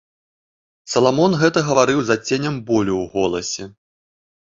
Саламон гэта гаварыў з адценнем болю ў голасе.